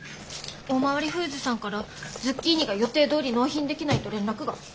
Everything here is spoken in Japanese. おおまわりフーズさんからズッキーニが予定どおり納品できないと連絡が。